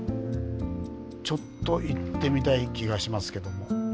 ちょっと行ってみたい気がしますけども。